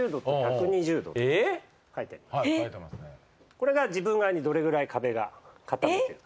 これが自分側にどれぐらい壁が傾いてるか。